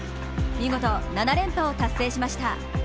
見事７連覇を達成しました。